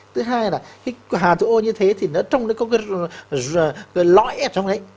thứ hai là hạt thủ ô như thế thì nó trong nó có cái lõi ép trong đấy